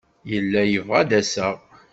Yella yebɣa ad d-aseɣ.